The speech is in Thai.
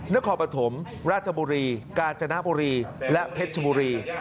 นครปฐมราชบุรีกาญจนบุรีและเพชรชบุรี